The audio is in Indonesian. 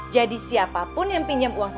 jadi siapapun yang pinjam uang saya